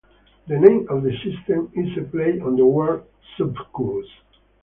The name of the system is a play on the word "succubus".